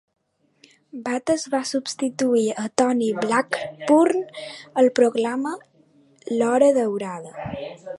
Bates va substituir a Tony Blackburn al programa "L'hora daurada".